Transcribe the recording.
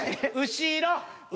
後ろ！